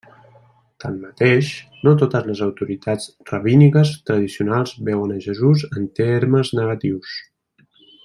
Tanmateix, no totes les autoritats rabíniques tradicionals veuen a Jesús en termes negatius.